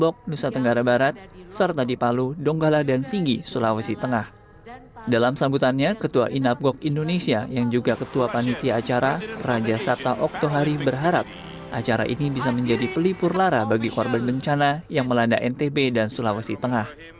dalam sambutannya ketua inapgok indonesia yang juga ketua panitia acara raja sabta oktohari berharap acara ini bisa menjadi pelipur lara bagi korban bencana yang melanda ntb dan sulawesi tengah